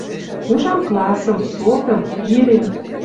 Ужам классым, сотым, ирем